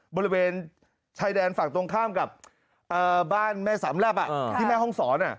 บริเวณชายแดนฝั่งตรงข้ามกับบ้านแม่สามแลบที่แม่ห้องศร